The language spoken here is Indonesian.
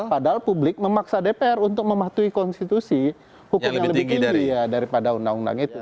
nah ini kan dpr memaksa publik memaksa dpr untuk mematuhi konstitusi hukum yang lebih tinggi daripada undang undang itu